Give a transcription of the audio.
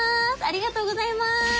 ありがとうございます。